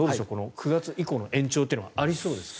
９月以降の延長というのはあり得ますか。